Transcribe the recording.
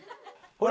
ほら！